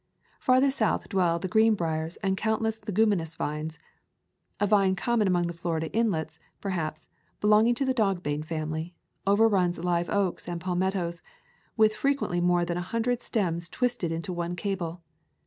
Farther south dwell the greenbriers and countless leguminous vines. A vine common among the Florida islets, per haps belonging to the dogbane family, over runs live oaks and palmettos, with frequently more than a hundred stems twisted into one cable.